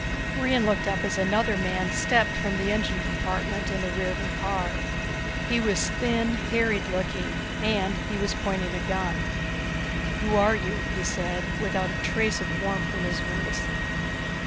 Brion looked up as another man stepped from the engine compartment in the rear of the car. He was thin, harried looking. And he was pointing a gun. "Who are you?" he said, without a trace of warmth in his voice.